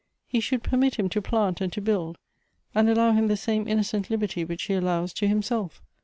He should pei mit him to plant and to build; and allow him the same innocent liberty which he allows to himself.